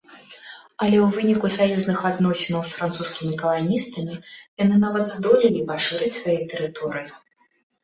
Але ў выніку саюзных адносінаў з французскімі каланістамі яны нават здолелі пашырыць свае тэрыторыі.